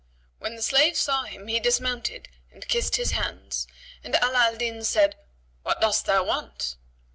When the slave saw him he dismounted and kissed his hands, and Ala al Din said, "What dost thou want?"